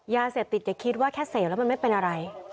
ยาเสพติดจะคิดว่าแค่เสร็จแล้วมันไม่เป็นอะไร